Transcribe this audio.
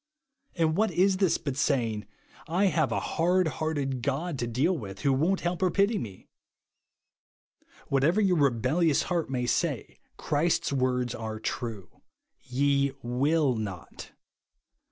And what is this but saying, " I have a hard hearted God to deal with, who w^on't help or j^ity me T Whatever ^'•our rebellious heart may say, Christ's w^ords are true, " Ye will not."